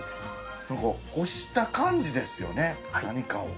何か干した感じですよね何かを。